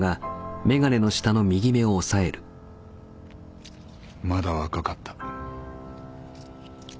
まだ若かった。